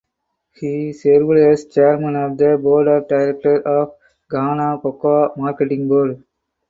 He served as chairman of the board of directors of Ghana Cocoa Marketing Board.